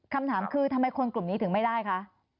คำถามคือทำไมคนกลุ่มนี้ถึงไม่ได้คะ